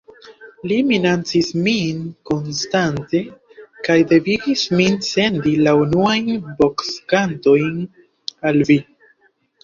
Li minacis min konstante kaj devigis min sendi la unuajn boksgantojn al vi.